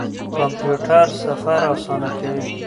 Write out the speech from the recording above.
کمپيوټر سفر آسانه کوي.